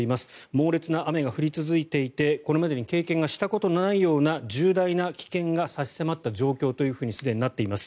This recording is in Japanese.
猛烈な雨が降り続いていてこれまでに経験したことがないような重大な危険が差し迫った状況とすでになっています。